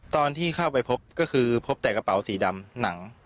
ตอนที่เข้าไปพบก็คือพบแต่กระเป๋าสีดำหนัง